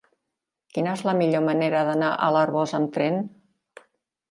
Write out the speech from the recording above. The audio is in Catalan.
Quina és la millor manera d'anar a l'Arboç amb tren?